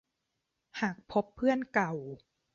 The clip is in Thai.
หากพบเพื่อนเก่า